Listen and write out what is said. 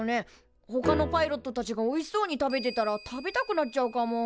ほかのパイロットたちがおいしそうに食べてたら食べたくなっちゃうかも。